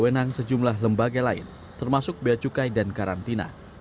wenang sejumlah lembaga lain termasuk beacukai dan karantina